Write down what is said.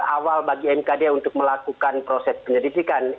awal bagi mkd untuk melakukan proses penyelidikan